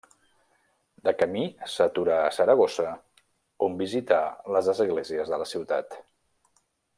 De camí, s'aturà a Saragossa, on visità les esglésies de la ciutat.